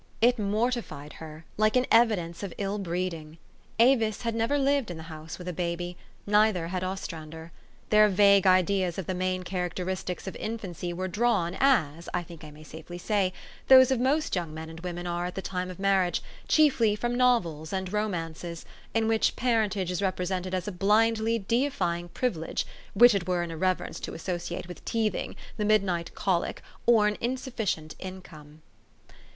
It mortified her, like an evidence of ill breeding. Avis had never lived in the house with a baby ; neither had Ostrander. Their vague ideas of the main characteristics of infancy were drawn as, I think I may safely say, those of most young men and women are at the time of mar riage, chiefly from novels and romances, in which parentage is represented as a blindly deifjing privi lege, which it were an irreverence to associate with teething, the midnight colic, or an insufficient in come.